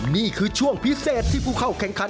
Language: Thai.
นี่คือช่วงพิเศษที่ผู้เข้าแข่งขัน